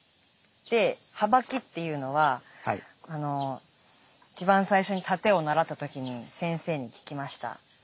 ではばきっていうのは一番最初に殺陣を習った時に先生に聞きました。